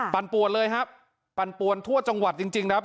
ปั่นปวนเลยครับปั่นปวนทั่วจังหวัดจริงครับ